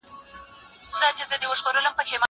زه اجازه لرم چي ږغ واورم!!